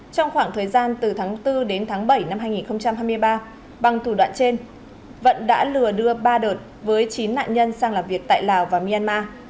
trong khoảng thời gian từ tháng bốn đến tháng bảy năm hai nghìn hai mươi ba bằng thủ đoạn trên vận đã lừa đưa ba đợt với chín nạn nhân sang làm việc tại lào và myanmar